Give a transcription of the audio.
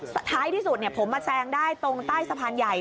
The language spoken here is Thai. ท้ายที่สุดผมมาแซงได้ตรงใต้สะพานใหญ่